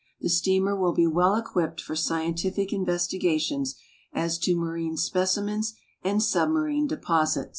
The steamer will be well equipped for scien tific investigations as to marine specimens and submarine deposits.